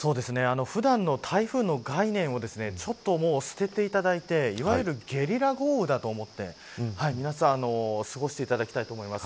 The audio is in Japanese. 普段の台風の概念をちょっと、もう捨てていただいていわゆるゲリラ豪雨だと思って皆さん、過ごしていただきたいと思います。